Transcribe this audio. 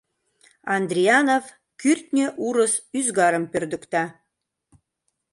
Андрианов кӱртньӧ урыс ӱзгарым пӧрдыкта.